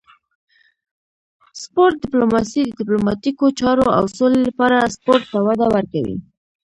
سپورت ډیپلوماسي د ډیپلوماتیکو چارو او سولې لپاره سپورت ته وده ورکوي